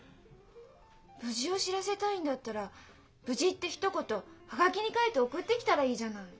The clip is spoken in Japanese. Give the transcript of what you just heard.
無事を知らせたいんだったら「無事」ってひと言葉書に書いて送ってきたらいいじゃない。